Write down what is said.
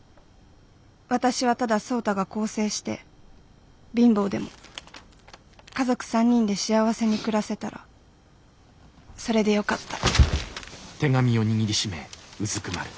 私はただ創太が更生して貧乏でも家族３人で幸せに暮らせたらそれでよかった」。